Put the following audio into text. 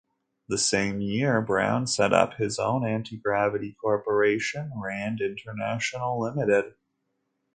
That same year Brown setup his own anti-gravity corporation, Rand International Limited.